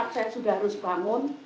saya sudah harus bangun